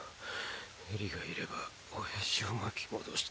エリがいればオヤジを巻き戻して。